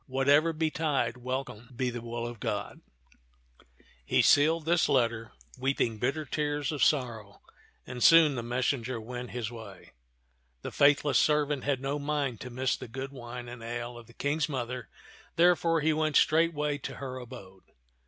Whatever betide, welcome be the will of God." He 68 tift (^<xn of ^a>»'0 t(xU sealed this letter, weeping bitter tears of sorrow; and soon the messenger went his way. The faithless servant had no mind to miss the good wine and ale of the King's mother, therefore he went straightway to her abode.